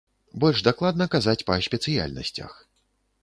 Больш дакладна казаць па спецыяльнасцях.